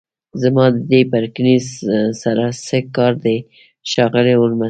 زما د دې پرکینز سره څه کار دی ښاغلی هولمز